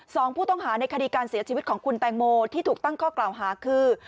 สองผู้ต้องหาในคดีการเสียชีวิตของคุณแตงโมที่ถูกตั้งข้อกล่าวหาคือ